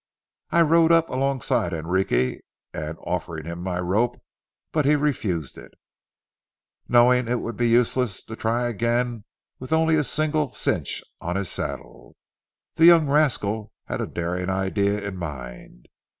I rode up alongside Enrique and offered him my rope, but he refused it, knowing it would be useless to try again with only a single cinch on his saddle. The young rascal had a daring idea in mind.